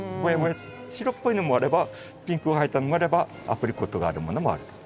白っぽいのもあればピンクが入ったのもあればアプリコットがあるものもあると。